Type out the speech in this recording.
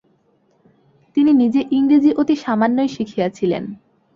তিনি নিজে ইংরেজি অতি সামান্যই শিখিয়াছিলেন।